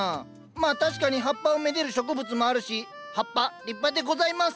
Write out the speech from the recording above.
まあ確かに葉っぱをめでる植物もあるし葉っぱ立派でございます。